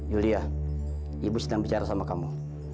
julia ibu sedang berbicara sama kamu